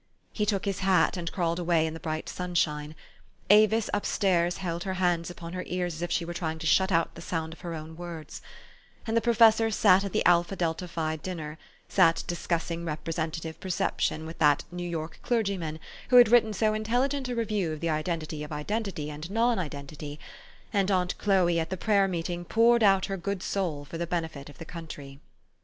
He took his hat, and crawled away in the bright sunshine. Avis up stairs held her hands upon her ears as if she were trying to shut out the sound of her own words ; and the professor at the Alpha Delta Phi dinner sat discussing representative per ception with that New York clergyman who had written so intelligent a review of the Identity of Identity and Non Identity ; and aunt Chloe at the prayer meeting poured out her good soul for the benefit of the country.